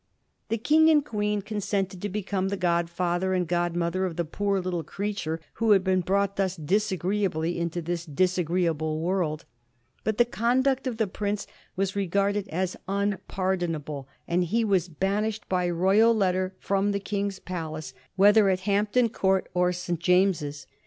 The King and Queen consented to become the godfather and godmother of the poor little creature who had been brought thus disagreeably into this disagreeable world. But the conduct of the prince was regarded as unpardon able, and he was banished by Royal letter from the King's palace, whether at Hampton Court or St. James's.